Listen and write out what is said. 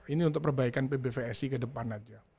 ini untuk perbaikan pbvsi ke depan aja